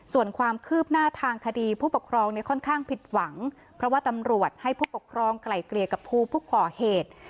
ส่วนความคืบหน้าทางคดีผู้ปกครองเนี่ยค่อนข้างผิดหวังเพราะว่าตำรวจให้ผู้ปกครองไกลเกลี่ยกับผู้ก่อเหตุ